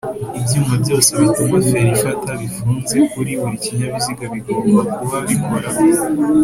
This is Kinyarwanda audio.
Ibyuma byose bituma feri ifata bifunze kuri buri kinyabiziga bigomba kuba bikora